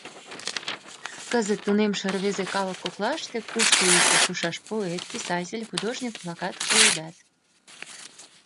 Кызыт тунемше рвезе калык коклаште кушто икте шушаш поэт, писатель, художник-влакат коедат.